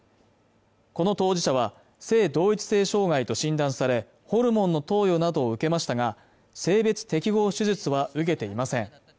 この当事者は性同一性障害と診断されホルモンの投与などを受けましたが性別適合手術は受けていません